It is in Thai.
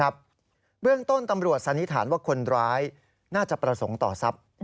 เบื้องต้นตำรวจสันนิษฐานว่าคนร้ายน่าจะประสงค์ต่อทรัพย์